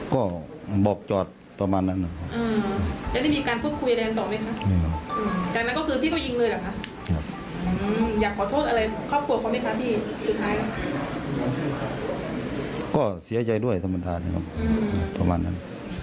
ก็บอกจอดประมาณนั้น